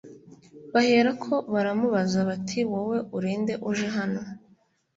Baherako baramubaza bati wowe urinde uje hano